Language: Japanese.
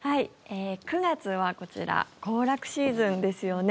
９月は、こちら行楽シーズンですよね。